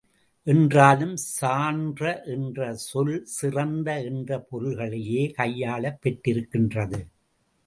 என்றாலும், சான்ற என்ற சொல் சிறந்த என்ற பொருள்களிலேயே கையாளப் பெற்றிருக்கின்றது.